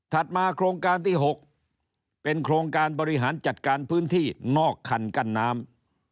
มาโครงการที่๖เป็นโครงการบริหารจัดการพื้นที่นอกคันกั้นน้ำ